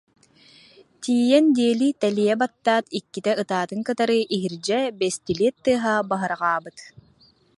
Тиийэн диэли тэлэйэ баттаат, иккитэ ытаатын кытары иһирдьэ бэстилиэт тыаһа баһырҕаабыт